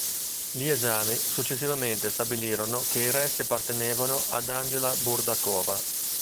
Gli esami successivamente stabilirono che i resti appartenevano ad Angela Burdakova.